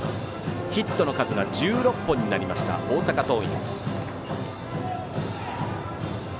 ヒットの数が１６本になりました大阪桐蔭。